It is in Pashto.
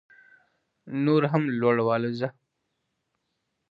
نور هم لوړ والوځه